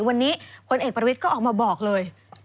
วันนี้พลเอกประวิทย์ก็ออกมาบอกเลย